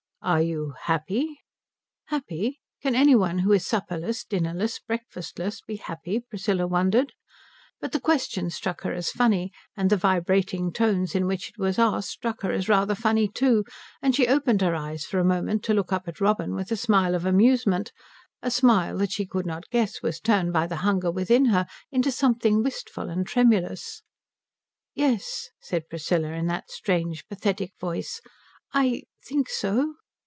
"Are you happy?" Happy? Can anybody who is supperless, dinnerless, breakfastless, be happy, Priscilla wondered? But the question struck her as funny, and the vibrating tones in which it was asked struck her as rather funny too, and she opened her eyes for a moment to look up at Robin with a smile of amusement a smile that she could not guess was turned by the hunger within her into something wistful and tremulous. "Yes," said Priscilla in that strange pathetic voice, "I think so."